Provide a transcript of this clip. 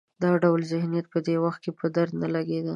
دا ډول ذهنیت په دې وخت کې په درد نه لګېده.